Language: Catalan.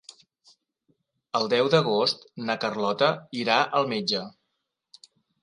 El deu d'agost na Carlota irà al metge.